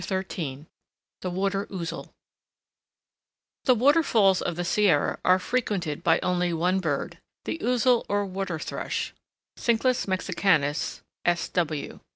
CHAPTER XIII THE WATER OUZEL The waterfalls of the Sierra are frequented by only one bird,—the Ouzel or Water Thrush (Cinclus Mexicanus, SW.).